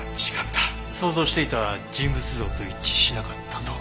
想像していた人物像と一致しなかったと？